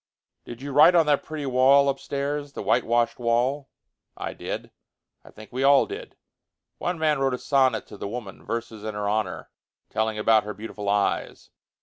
"Did you write on that pretty wall upstairs, the whitewashed wall?" "I did; I think we all did. One man wrote a sonnet to the woman, verses in her honor, telling about her beautiful eyes.